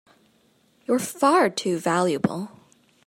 You're far too valuable!